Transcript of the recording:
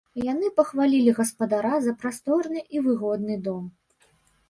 Яны пахвалілі гаспадара за прасторны і выгодны дом.